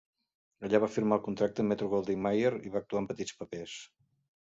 Allà va firmar contracte amb Metro-Goldwyn-Mayer i va actuar en petits papers.